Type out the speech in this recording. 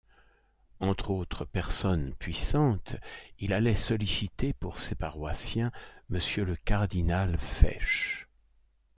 Entre autres personnes puissantes, il allait solliciter pour ses paroissiens Monsieur le cardinal Fesch.